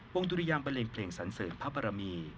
วงดุรยางประเล็งเพลงสันเสริมพระบารมี